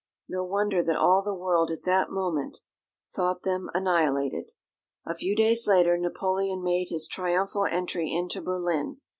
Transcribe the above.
No wonder that all the world at that moment thought them annihilated! A few days later Napoleon made his triumphal entry into Berlin.